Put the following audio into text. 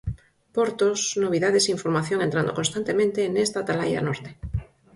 Portos, novidades e información entrando constantemente nesta atalaia norte.